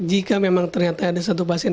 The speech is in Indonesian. jika memang ternyata ada satu pasien